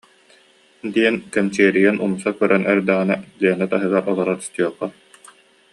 » диэн кэмчиэрийэн умса көрөн эрдэҕинэ Лена таһыгар олорор Степа: